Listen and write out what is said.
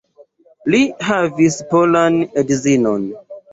Li havis polan edzinon.